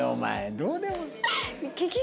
どうでも。